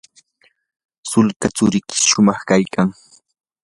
sulka tsurikiy shumaq kaykan.